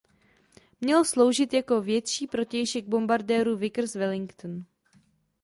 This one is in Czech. Měl sloužit jako větší protějšek bombardéru Vickers Wellington.